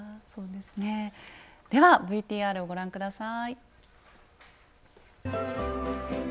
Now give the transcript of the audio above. ではＶＴＲをご覧下さい。